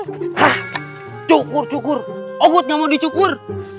hah cukur cukur ogut gak mau dicukur